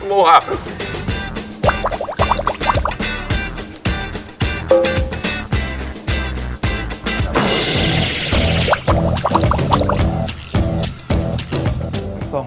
เอาเหรอม่วงม่วง